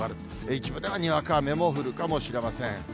一部ではにわか雨も降るかもしれません。